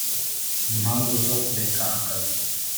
impamvu zo kureka akazi